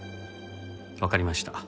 わかりました。